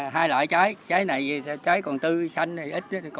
hai loại trái trái này trái còn tư xanh ít